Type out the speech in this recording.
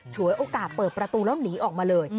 ฉวยโอกาสเปิดประตูแล้วหนีออกมาเลย